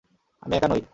আমি একা নই।